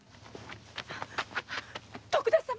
徳田様